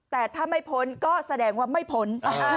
แต่ถ้าไม่พ้นก็แสดงว่าไม่พ้น